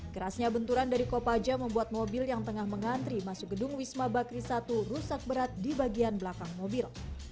kerasnya benturan dari kopaja membuat mobil yang tengah mengantri masuk gedung wisma bakri satu rusak berat di bagian belakang mobil